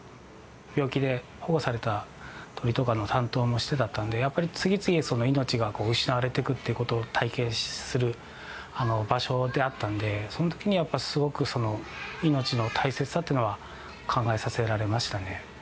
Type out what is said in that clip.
病気で保護された鳥とかの担当もしてだったのでやっぱり次々その命が失われていくということを体験する場所であったのでそのときにやっぱすごく命の大切さというのは考えさせられましたね。